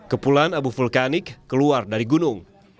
kepulan abu vulkanik keluar dari gunung